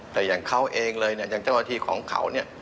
แต่อย่างเขาเองเลยเนี่ยอย่างเจ้าหน้าที่ของเขาเนี่ย